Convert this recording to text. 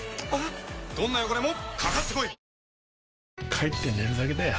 帰って寝るだけだよ